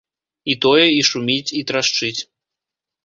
І тое, і шуміць, і трашчыць.